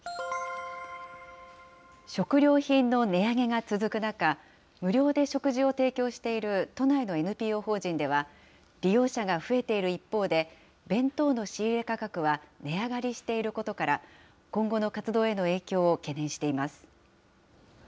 食料品の値上げが続く中、無料で食事を提供している都内のＮＰＯ法人では、利用者が増えている一方で、弁当の仕入れ価格は値上がりしていることから、今後の活動への影響を懸念しています。